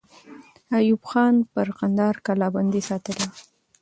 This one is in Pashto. ایوب خان پر کندهار کلابندۍ ساتلې وه.